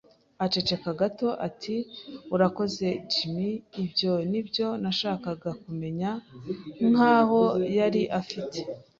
Aceceka gato ati: “Urakoze, Jim, ibyo ni byo nashakaga kumenya,” nk'aho yari afite